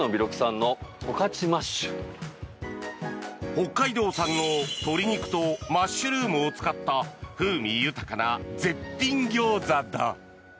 北海道産の鶏肉とマッシュルームを使った風味豊かな絶品ギョーザだ。